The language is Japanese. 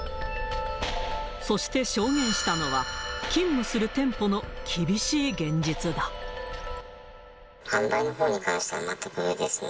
そして証言したのは、販売のほうに関しては、全くですね。